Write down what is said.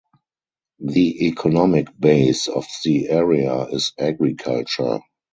The economic base of the area is agriculture.